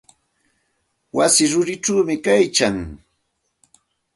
Wasi rurichawmi kaylkan.